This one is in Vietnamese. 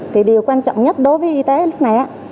thì điều quan trọng nhất đối với y tế lúc này